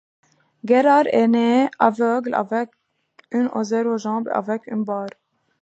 Gerhard est né aveugle, avec une ou zéro jambe et avec un bras.